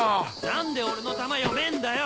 何で俺の球読めんだよ！